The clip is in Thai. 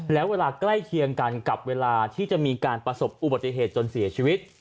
แล้วเวลาใกล้เคียงกันกับเวลาที่จะมีการประสบอุบัติเหตุจนเสียชีวิต